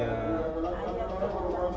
hanya itu aja